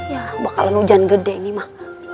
ya bakalan hujan gede ini mah